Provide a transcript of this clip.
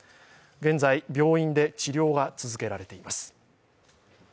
現在、病院で治療が続けられています。